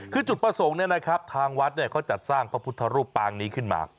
คือจุดประสงค์เนี่ยนะครับทางวัดเขาจัดสร้างพระพุทธรูปปางนี้ขึ้นมา